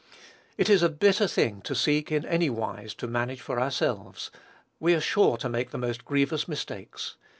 It is a bitter thing to seek, in any wise, to manage for ourselves; we are sure to make the most grievous mistakes.